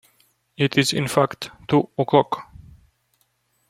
It is in fact two o'clock.